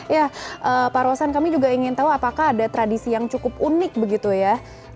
ya pak rosan kami juga ingin tahu apakah ada tradisi yang cukup unik begitu ya